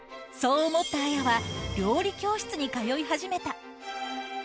そう思った綾は、料理教室に通い始めた。